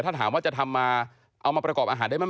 ถ้าถามว่าจะทำมาเอามาประกอบอาหารได้ไหม